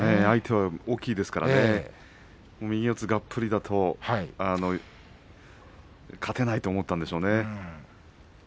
相手が大きいですからね右四つがっぷりだと勝てないと思ったんでしょうね。